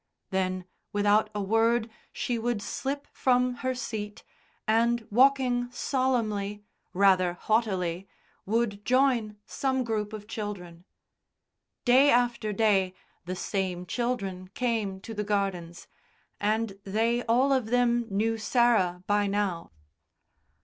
Then, without a word, she would slip from her seat, and, walking solemnly, rather haughtily, would join some group of children. Day after day the same children came to the gardens, and they all of them knew Sarah by now.